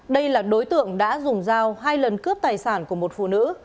đây là đối tượng đã dùng dao hai lần cướp tài sản của một phụ nữ